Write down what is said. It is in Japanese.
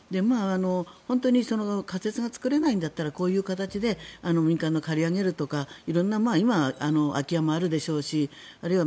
本当に仮設が作れないんだったらこういう形で民間が借り上げるとか色んな今、空き家もあるでしょうしあるいは